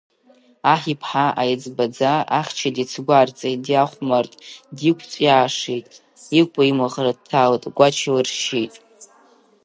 Аҳ иԥҳа аиҵбаӡа ахьча дицгәарҵит, диахәмарт, диқәҵәиашеит, икәа-имыӷра дҭалт, Гәач илыршьит.